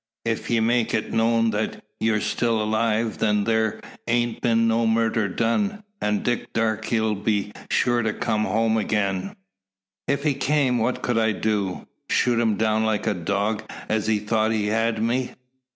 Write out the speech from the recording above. Ef ye make it known that you're still alive, then thar ain't been no murder done, an' Dick Darke 'll be sure to kum home agin." "If he came what could I do? Shoot him down like a dog, as he thought he had me?